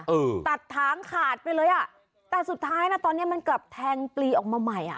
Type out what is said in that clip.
เออตัดถางขาดไปเลยอ่ะแต่สุดท้ายน่ะตอนเนี้ยมันกลับแทงปลีออกมาใหม่อ่ะ